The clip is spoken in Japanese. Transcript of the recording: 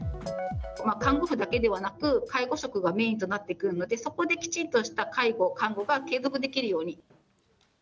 看護婦だけではなく、介護職がメインとなってくるので、そこできちっとした介護、看護が継続できるように。